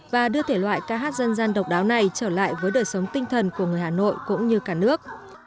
và đưa thể loại ca hát dân gian độc đáo này trở lại với đời sống tinh thần của người hà nội cũng như cả nước